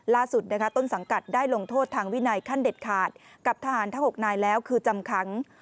ล่าสุดต้นสังกัดได้ลงโทษทางวินัยขั้นเด็ดขาดกับทหารทั้ง๖นายแล้วคือจำคัง